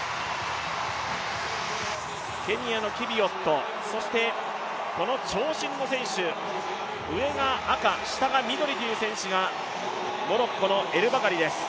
ケニアのキビウォット、そしてこの長身の選手上が赤、下が緑という選手がモロッコのエルバカリです。